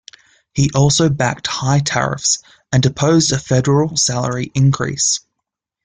He also backed high tariffs and opposed a federal salary increase.